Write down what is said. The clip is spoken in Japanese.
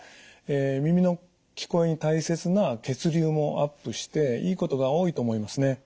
耳の聞こえに大切な血流もアップしていいことが多いと思いますね。